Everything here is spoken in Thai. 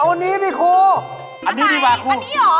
เอาอันนี้พี่ครูอันนี้ดีกว่าครู